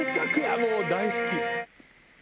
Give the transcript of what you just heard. もう大好き。